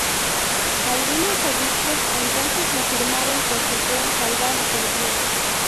Algunos obispos entonces afirmaron que fue "salvada por Dios".